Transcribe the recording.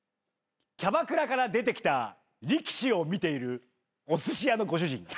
キャバクラから出てきた力士を見ているおすし屋のご主人。